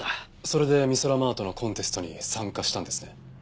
それでミソラマートのコンテストに参加したんですね。